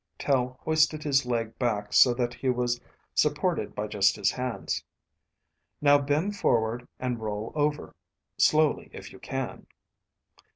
Tel hoisted his leg back so that he was supported by just his hands. "Now bend forward and roll over, slowly if you can."